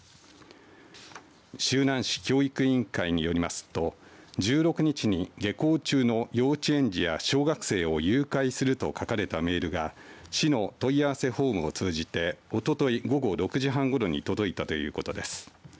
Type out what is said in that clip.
周南市教育委員会によりますと１６日に下校中の幼稚園児や小学生を誘拐すると書かれたメールが市の問い合わせフォームを通じておととい、午後６時半ごろに届いたということです。